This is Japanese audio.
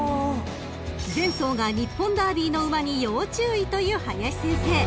［前走が日本ダービーの馬に要注意という林先生］